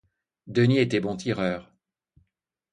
Denis était bon tireur.